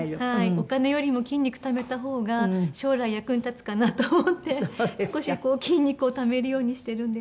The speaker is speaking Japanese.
お金よりも筋肉ためた方が将来役に立つかなと思って少し筋肉をためるようにしてるんですけど。